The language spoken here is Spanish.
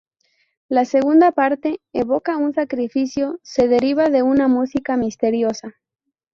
La segunda parte evoca un sacrificio, se deriva de una música misteriosa.